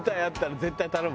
絶対頼む。